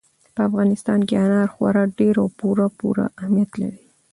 په افغانستان کې انار خورا ډېر او پوره پوره اهمیت لري.